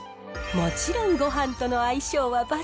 もちろんごはんとの相性は抜群。